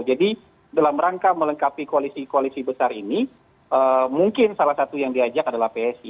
jadi dalam rangka melengkapi koalisi koalisi besar ini mungkin salah satu yang diajak adalah psi